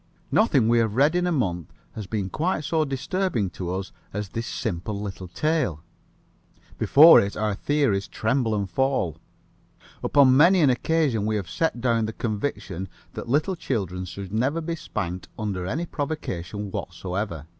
Nothing we have read in a month has been quite so disturbing to us as this simple little tale. Before it our theories tremble and fall. Upon many an occasion we have set down the conviction that little children should never be spanked under any provocation whatsoever.